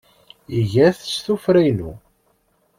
Iga-t s tuffra-inu.